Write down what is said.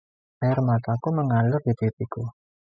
Air mataku mengalir di pipiku.